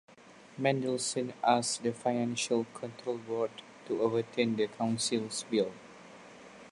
Mendelson asked the Financial Control Board to overturn the Council's bill.